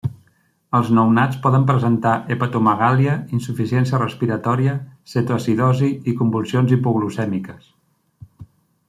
Els nounats poden presentar hepatomegàlia, insuficiència respiratòria, cetoacidosi i convulsions hipoglucèmiques.